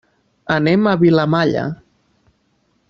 Anem a Vilamalla.